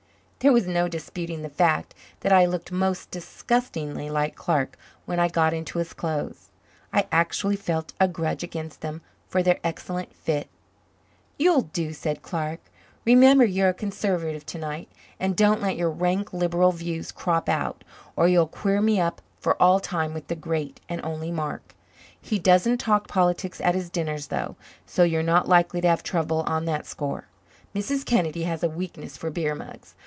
There was no disputing the fact that I looked most disgustingly like Clark when I got into his clothes. I actually felt a grudge against them for their excellent fit. "You'll do," said Clark. "Remember you're a Conservative to night and don't let your rank Liberal views crop out, or you'll queer me for all time with the great and only Mark. He doesn't talk politics at his dinners, though, so you're not likely to have trouble on that score. Mrs. Kennedy has a weakness for beer mugs.